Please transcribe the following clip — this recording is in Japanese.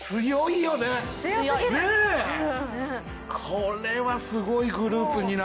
これはすごいグループになると。